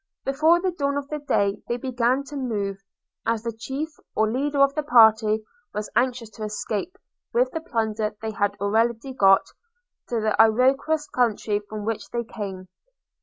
Before the dawn of the day they began to move; as the chief, or leader of the party, was anxious to escape, with the plunder they had already got, to the Iroquois country, from which they came.